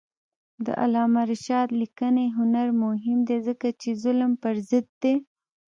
د علامه رشاد لیکنی هنر مهم دی ځکه چې ظلم پر ضد دی.